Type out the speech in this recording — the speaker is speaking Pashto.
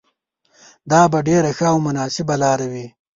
دا به ډېره ښه او مناسبه لاره وي.